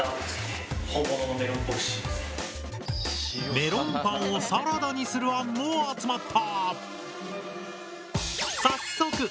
メロンパンをサラダにする案も集まった。